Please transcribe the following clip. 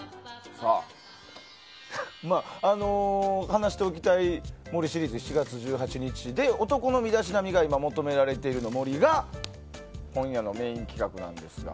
話しておきたい森シリーズ７月１８日で男の身だしなみが今求められているの森が今夜のメイン企画ですが。